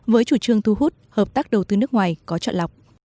với chủ trương thu hút hợp tác đầu tư nước ngoài có chọn lọc